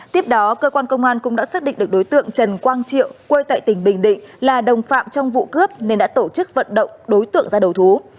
tiếp đó cơ quan công an cũng đã xác định được đối tượng trần quang triệu quê tại tỉnh bình định là đồng phạm trong vụ cướp nên đã tổ chức vận động đối tượng ra đầu thú